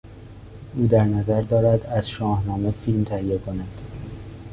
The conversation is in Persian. او در نظر دارد از شاهنامه فیلم تهیه کند.